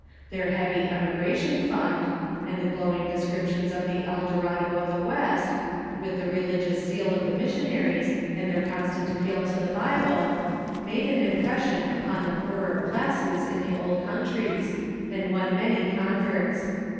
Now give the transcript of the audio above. Their heavy emigration fund, and the glowing descriptions of the El Do rado of the West, with the religious zeal of the missionaries and their constant appeal to the Bible, made an impression upon the poorer classes in the old countries, and won many converts.